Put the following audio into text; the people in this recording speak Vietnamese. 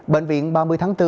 bệnh viện ba mươi tháng bốn